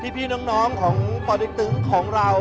พี่น้องของปติ๊กตึงของเรา